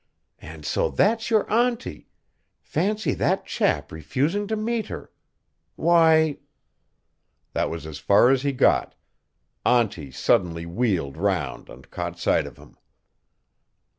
And so that's your auntie fancy that chap refusing to meet her! Why" That was as far as he got. Auntie suddenly wheeled round and caught sight of him.